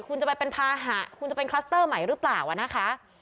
คุณจะไปเป็นภาหะคุณจะเป็นคลัสเตอร์ใหม่หรือเปล่านะคะ